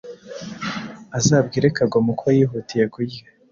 Azabwire kagoma uko yihutiye kurya